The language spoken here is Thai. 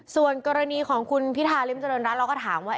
ส่วนกรณีของคุณพิธาริมเจริญรัฐเราก็ถามว่า